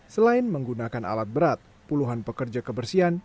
selain menggunakan alat berat puluhan pekerja kebersihan